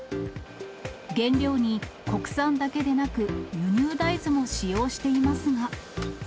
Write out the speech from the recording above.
原料に国産だけでなく、輸入大豆も使用していますが。